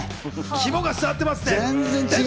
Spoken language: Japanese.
肝がすわってますね。